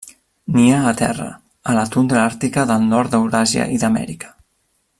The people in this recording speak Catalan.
Nia a terra a la tundra àrtica del nord d'Euràsia i d'Amèrica.